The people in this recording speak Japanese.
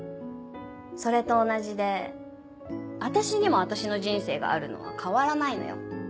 それと同じで私にも私の人生があるのは変わらないのよ。